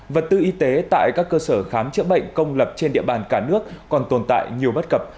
vật tư y tế tại các cơ sở khám chữa bệnh công lập trên địa bàn cả nước còn tồn tại nhiều bất cập